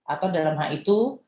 atau dalam hal itu